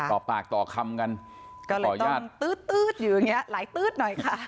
ต่อปากต่อคำกันก็เลยต้องตื๊ดอยู่อย่างเงี้หลายตื๊ดหน่อยค่ะ